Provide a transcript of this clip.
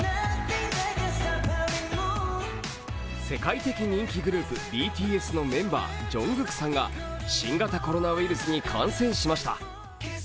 世界的人気グループ、ＢＴＳのメンバー、ＪＵＮＧＫＯＯＫさんが新型コロナウイルスに感染しました。